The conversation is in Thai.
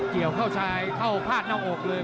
เกี่ยวเข้าซ้ายเข้าพาดหน้าอกเลย